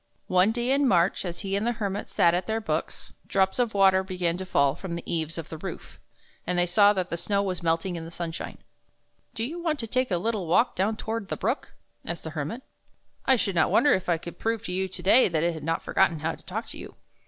One day in March, as he and the Hermit sat at their books, drops of water began to fall from the eaves of the roof, and they saw that the snow was melting in the sunshine. " Do you want to take a little walk down toward the brook? " asked the Hermit. " I should not wonder if I could prove to you to day that it has not forgotten how to talk to you."